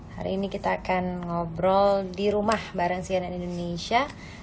hari ini kita akan ngobrol di rumah bareng cnn indonesia